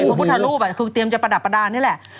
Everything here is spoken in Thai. พระพุทธรูปคือเตรียมจะประดับประดานนี่แหละ